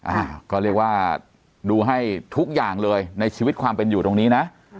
อ่าก็เรียกว่าดูให้ทุกอย่างเลยในชีวิตความเป็นอยู่ตรงนี้นะ